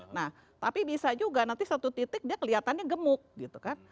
nah tapi bisa juga nanti satu titik dia kelihatannya gemuk gitu kan